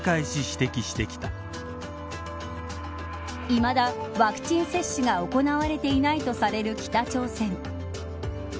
いまだワクチン接種が行われていないとされる北朝鮮。